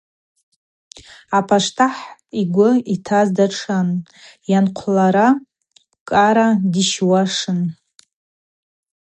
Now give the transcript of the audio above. Апаштыхӏ йгвы йтаз датшан: йангӏахъвлара Къара дищуашын.